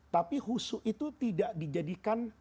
tapi husu itu tidak dijadikan